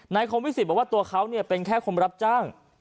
คงวิสิตบอกว่าตัวเขาเป็นแค่คนรับจ้าง